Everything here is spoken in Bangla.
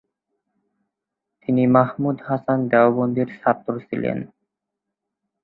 তিনি মাহমুদ হাসান দেওবন্দির ছাত্র ছিলেন।